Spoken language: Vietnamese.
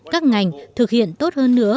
các ngành thực hiện tốt hơn nữa